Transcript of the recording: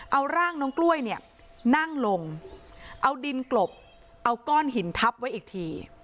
เอาร่างน้องกล้วยเนี่ยนั่งลงเอาดินกลบเอาก้อนหินทับไว้อีกที